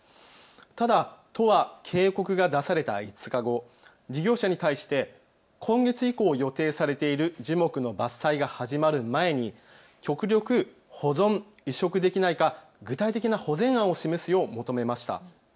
ただ都は警告が出された５日後、事業者に対して今月以降予定されている樹木の伐採が始まる前に極力、保存、移植できないか具体的な保全案を示すよう求めました。